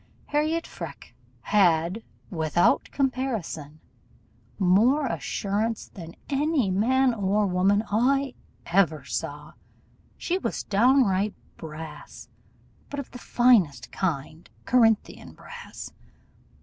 Harriot Freke had, without comparison, more assurance than any man or woman I ever saw; she was downright brass, but of the finest kind Corinthian brass.